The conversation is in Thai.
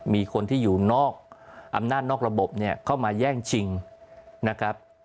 มีคนที่อยู่นอกอำนาจนอกระบบเนี่ยเข้ามาแย่งชิงนะครับ